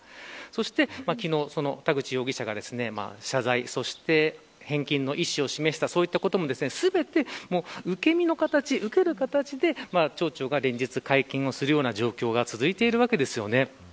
そして昨日田口容疑者が謝罪そして返金の意思を示したことも全て受け身の形で町長が連日、会見するような状況が続いているわけですよね。